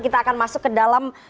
kita akan masuk ke dalam